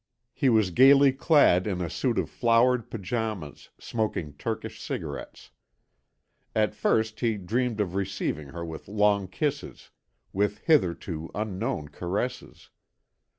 He was gaily clad in a suit of flowered pyjamas, smoking Turkish cigarettes. At first he dreamt of receiving her with long kisses, with hitherto unknown caresses.